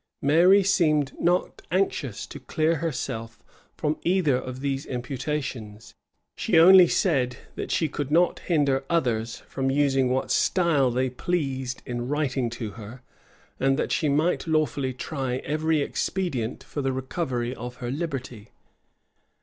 Mary seemed not anxious to clear herself from either of these imputations. She only said that she could not hinder others from using what style they pleased in writing to her; and that she might lawfully try every expedient for the recovery of her liberty.